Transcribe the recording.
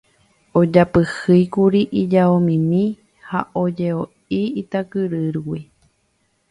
Ojapyhýkuri ijaomimi ha oje'ói Itakyrýgui.